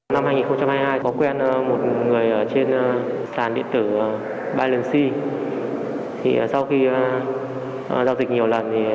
năm hai nghìn hai mươi hai có quen một người ở trên sàn điện tử biden c sau khi giao dịch nhiều lần